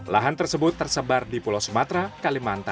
lahan tersebut tersebar di pulau sumatera kalimantan